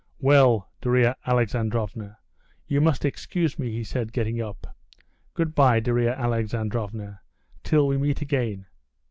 "Well, Darya Alexandrovna, you must excuse me," he said, getting up. "Good bye, Darya Alexandrovna, till we meet again."